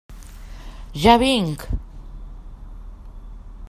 Ja vinc!